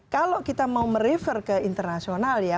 kalau kita mau merefer ke internasional ya